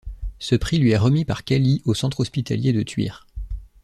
Le prix lui est remis par Cali au Centre Hospitalier de Thuir.